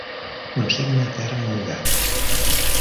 Un cigne aterra en un llac.